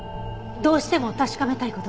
どうしても確かめたい事が。